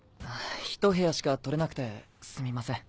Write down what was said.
ひと部屋しか取れなくてすみません。